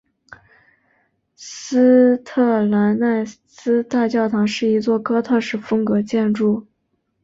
斯特兰奈斯大教堂是一座哥特式风格建筑。